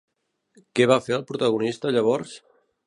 Què va fer el protagonista llavors?